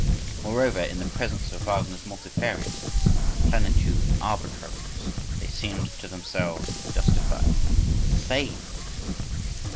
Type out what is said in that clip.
—Moreover in the presence of Wagner's multifariousness, plenitude and arbitrariness, they seem to themselves justified—"saved".